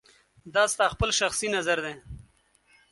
دا ستا خپل شخصي نظر دی